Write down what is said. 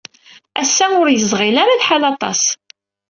Ass-a, ur yeẓɣil ara lḥal aṭas.